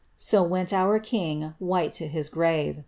^ So went our king white to his grave